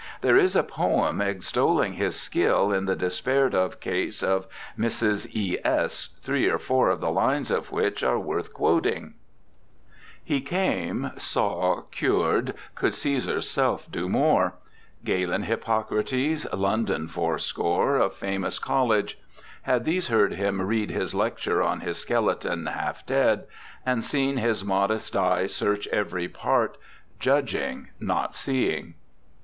There is a poem extolling his skill in the despaired of case of Mrs. E. S., three or four of the lines of which are worth quoting : He came, saw, cur'd ! Could Caesar's self do more ; Galen, Hippocrates, London's four score Of ffamous Colledge ... had these heard him read His lecture on this Skeliton, half dead ; And seen his modest eye search every part. Judging, not seeing.